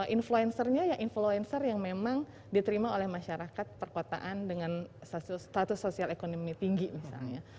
influencernya ya influencer yang memang diterima oleh masyarakat perkotaan dengan status sosial ekonomi tinggi misalnya